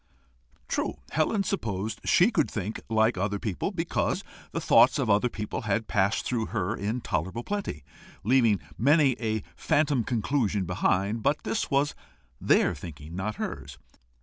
True, Helen supposed she could think like other people, because the thoughts of other people had passed through her in tolerable plenty, leaving many a phantom conclusion behind; but this was THEIR thinking, not hers.